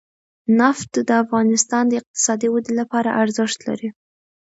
نفت د افغانستان د اقتصادي ودې لپاره ارزښت لري.